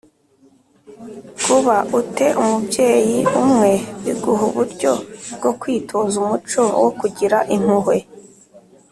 Kuba u te umubyeyi umwe biguha uburyo bwo kwitoza umuco wo kugira impuhwe